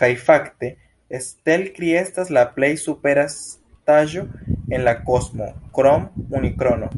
Kaj fakte, Stelkri estas la plej supera estaĵo en la kosmo krom Unikrono.